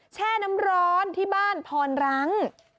แช่น้ำร้อนที่บ้านพรรัง